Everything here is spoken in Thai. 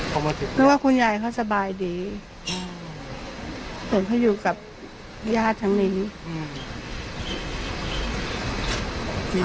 ก็ว่าว่าคุณยายเขาสบายดีอืมผมเขาอยู่กับญาติทั้งนิดอืม